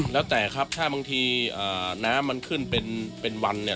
แล้วแต่ครับถ้าบางทีน้ำมันขึ้นเป็นวันเนี่ย